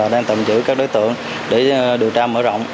đang tạm giữ các đối tượng để điều tra mở rộng